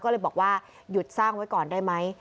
ก็เลยบอกว่าหยุดสร้างไว้ก่อนได้ไหม